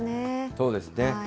そうですね。